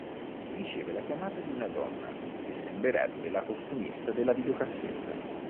Riceve la chiamata di una donna, che sembrerebbe la costumista della videocassetta.